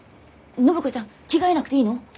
暢子ちゃん着替えなくていいの？